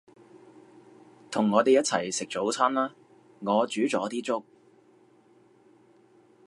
同我哋一齊食早餐啦，我煮咗啲粥